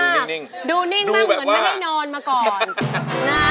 นิ่งดูนิ่งมากเหมือนไม่ได้นอนมาก่อนนะ